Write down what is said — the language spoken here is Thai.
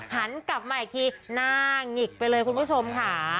หันกลับมาอีกทีหน้านี่ละ่ะคุณผู้ชมค่ะ